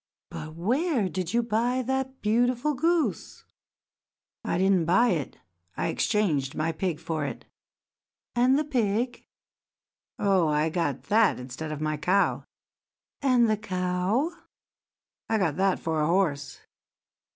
But where did you buy that beautiful goose?" "I did not buy it; I exchanged my pig for it." "And the pig?" "Oh, I got that instead of my cow." "And the cow?" "I got that for a horse."